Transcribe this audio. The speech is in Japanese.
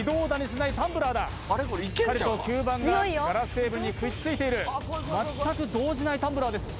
しっかりと吸盤がガラステーブルにくっついている全く動じないタンブラーです